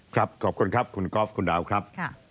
ครับขอบคุณครับคุณกอล์ฟคุณดาวครับ